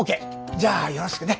じゃあよろしくね。